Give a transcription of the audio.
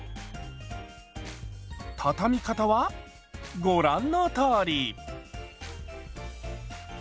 たたみ方はご覧のとおり。